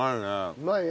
うまいね。